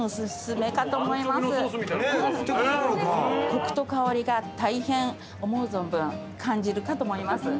コクと香りが大変思う存分感じるかと思います。